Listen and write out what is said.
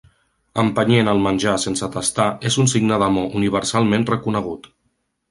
Empenyent el menjar sense tastar és un signe d'amor universalment reconegut.